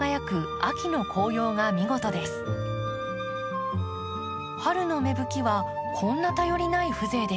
春の芽吹きはこんな頼りない風情でした。